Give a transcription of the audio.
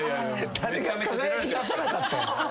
誰が「輝き出さなかった」や。